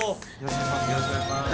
よろしくお願いします